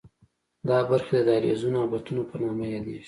دا برخې د دهلیزونو او بطنونو په نامه یادېږي.